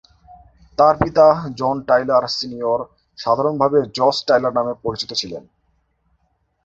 তার পিতা John Tyler senior সাধারণভাবে জজ টাইলার নামে পরিচিত ছিলেন।